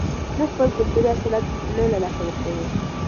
موږ خپل کلتوري اصالت نه له لاسه ورکوو.